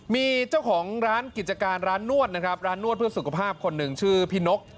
มีเจ้าของร้านกิจการร้านนวดนะครับร้านนวดเพื่อสุขภาพคนหนึ่งชื่อพี่นก